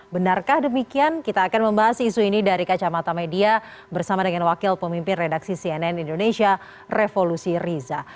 benarkah demikian kita akan membahas isu ini dari kacamata media bersama dengan wakil pemimpin redaksi cnn indonesia revolusi riza